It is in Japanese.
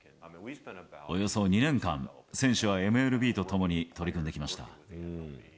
およそ２年間、選手やＭＬＢとともに取り組んできました。